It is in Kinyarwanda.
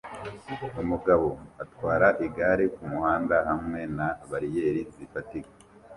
Umugabo atwara igare kumuhanda hamwe na bariyeri zifatika